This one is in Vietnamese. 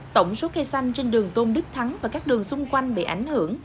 tổng số cây xanh trên đường tôn đức thắng và các đường xung quanh bị ảnh hưởng